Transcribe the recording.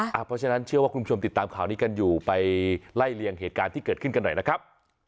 เพราะฉะนั้นเชื่อว่าคุณผู้ชมติดตามข่าวนี้กันอยู่ไปไล่เลี่ยงเหตุการณ์ที่เกิดขึ้นกันหน่อยนะครับ